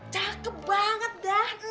cakep banget dah